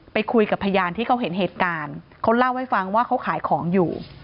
ไปคุยกับพยานที่เขาเห็นเหตุการณ์เขาเล่าให้ฟังว่าเขาขายของอยู่